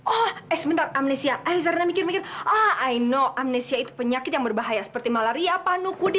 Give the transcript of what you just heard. oh eh sebentar amnesia aizarena mikir mikir ah i no amnesia itu penyakit yang berbahaya seperti malaria panu kudi